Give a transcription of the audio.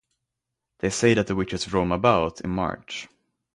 They say that the witches roam about in March.